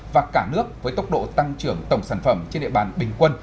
và cả nước với tốc độ tăng trưởng tổng sản phẩm trên địa bàn bình quân